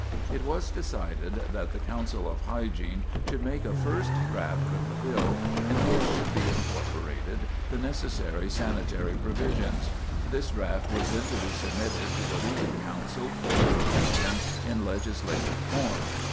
It was decided that the Council of Hygiene should make a first draft of the bill in which should be incorporated the necessary sanitary provisions. This draft was then to be submitted to the Legal Council for completion in legislative form.